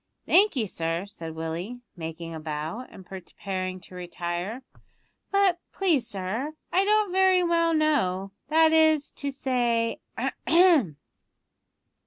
"Thank you, sir," said Willie, making a bow, and preparing to retire; "but please, sir, I don't very well know, that is to say ahem!"